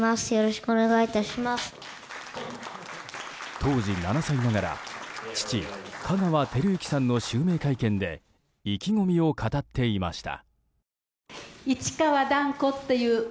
当時７歳ながら父・香川照之さんの襲名会見で意気込みを語っていました。